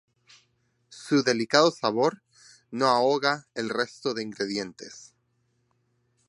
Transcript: Su delicado sabor no ahoga el del resto de ingredientes.